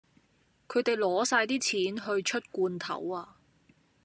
佢哋攞曬啲錢去出罐頭呀